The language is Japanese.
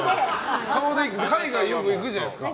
海外よく行くじゃないですか。